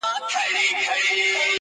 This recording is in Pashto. o بيا به يې خپه اشـــــــــــــنا.